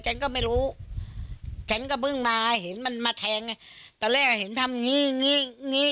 ฉันก็ไม่รู้ฉันก็เพิ่งมาเห็นมันมาแทงไงตอนแรกเห็นทำอย่างงี้งี้งี้